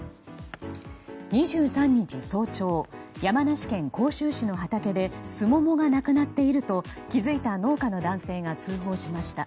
２３日早朝山梨県甲州市の畑でスモモがなくなっていると気づいた農家の男性が通報しました。